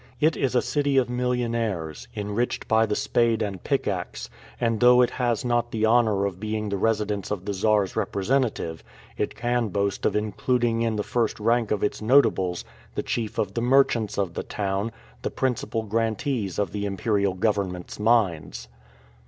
It is a city of millionaires, enriched by the spade and pickax, and though it has not the honor of being the residence of the Czar's representative, it can boast of including in the first rank of its notables the chief of the merchants of the town, the principal grantees of the imperial government's mines.